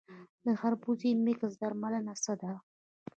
د خربوزې د مګس درملنه څه ده؟